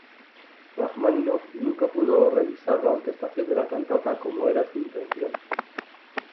Rajmáninov nunca pudo revisar la orquestación de la cantata como era su intención.